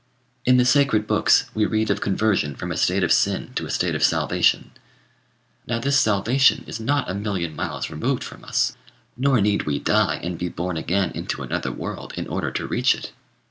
"In the sacred books we read of conversion from a state of sin to a state of salvation. Now this salvation is not a million miles removed from us; nor need we die and be born again into another world in order to reach it.